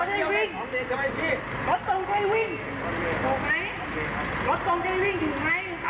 ลดตรงเป็นได้วิ่งที่วิ่งน้ำ